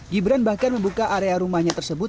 gibran bahkan membuka area rumahnya tersebut